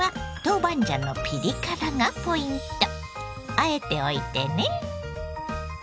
あえておいてね。